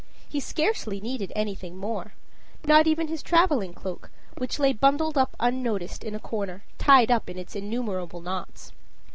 He scarcely needed anything more not even his traveling cloak, which lay bundled up unnoticed in a corner, tied up in its innumerable knots.